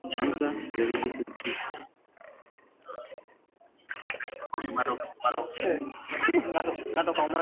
Andaa viazi lishe vibichi